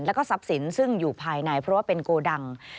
แล้วก็ทรัพย์สินซึ่งอยู่ภายในเพราะว่าเป็นโกดัง